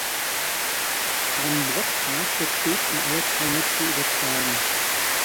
Ein Broadcast wird stets in alle Teilnetze übertragen.